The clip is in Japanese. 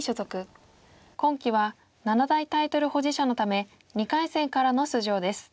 今期は七大タイトル保持者のため２回戦からの出場です。